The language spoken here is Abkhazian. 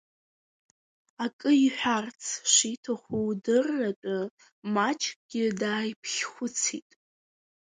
Акы иҳәарц шиҭаху удырратәы маҷкгьы дааиԥхьхәыцит.